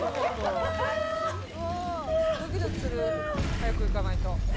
早く行かないと。